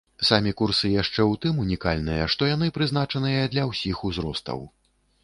Самі курсы яшчэ ў тым унікальныя, што яны прызначаныя для ўсіх узростаў.